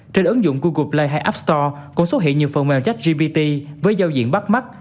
trên ứng dụng google play hay app store cũng xuất hiện nhiều phần mềm chát gpt với giao diện bắt mắt